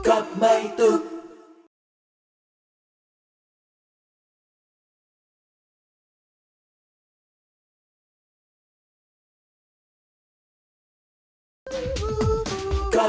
โอ้โฮ